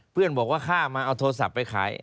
เพื่อนบอกว่าข้ามาเอาโทรศัพท์ไปขาย